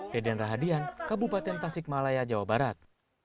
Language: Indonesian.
reden rahadian kabupaten tasikmalaya jawa barat